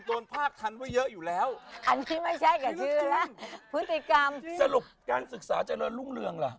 การศึกษาธรรมรุงเรื่องละ